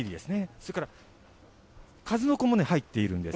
それから、数の子も入っているんです。